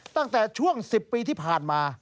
ตั้งแต่ช่วง๑๐ปีที่ผ่านมา